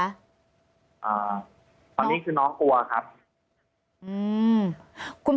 ตอนนี้คือน้องกลัวครับ